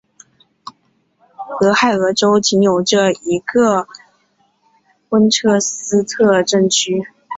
俄亥俄州仅有这一个温彻斯特镇区。